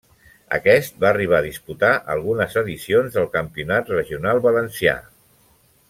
Aquest va arribar a disputar algunes edicions del Campionat regional valencià.